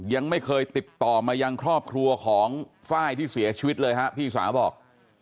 ยังไม่เคยติดต่อมายังครอบครัวของไฟล์ที่เสียชีวิตเลยฮะพี่สาวบอก